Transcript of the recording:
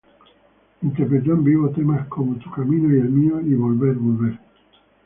Interpretó en vivo temas como "Tu camino y el mío" y "Volver, volver".